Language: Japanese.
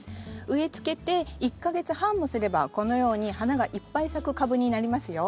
植えつけて１か月半もすればこのように花がいっぱい咲く株になりますよ。